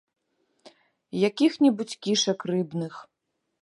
І якіх-небудзь кішак рыбных.